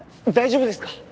大丈夫ですか？